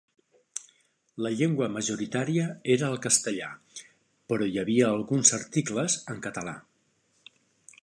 La llengua majoritària era el castellà, però hi havia alguns articles en català.